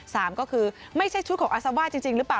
สามก็คือไม่ใช่ชุดของอาซาว่าจริงหรือเปล่า